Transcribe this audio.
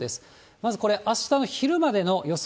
まずこれ、あしたの昼までの予想